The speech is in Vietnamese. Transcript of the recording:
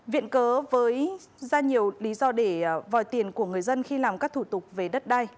viện cớ với ra nhiều lý do để vòi tiền của người dân khi làm các thủ tục về đất đai